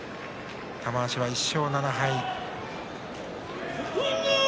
玉鷲は１勝７敗。